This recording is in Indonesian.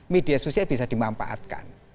media sosial bisa dimanfaatkan